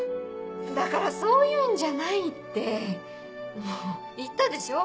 だからそういうんじゃないってもう言ったでしょ。